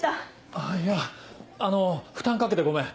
あっいやあの負担掛けてごめん。